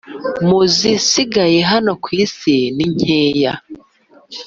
muzi sigaye hano ku isi ninkeya